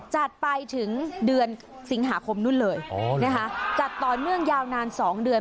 จัดไปถึงเดือนสิงหาคมนู่นเลยนะคะจัดต่อเนื่องยาวนาน๒เดือน